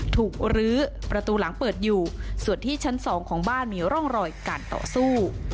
รื้อประตูหลังเปิดอยู่ส่วนที่ชั้น๒ของบ้านมีร่องรอยการต่อสู้